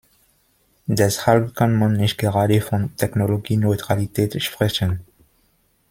Deshalb kann man nicht gerade von Technologieneutralität sprechen.